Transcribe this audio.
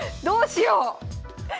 どうしよう！